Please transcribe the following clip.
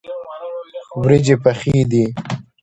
وریژې پخې دي.